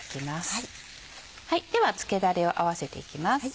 ではつけだれを合わせていきます。